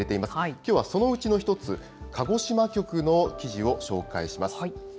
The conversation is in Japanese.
きょうはそのうちの１つ、鹿児島局の記事を紹介します。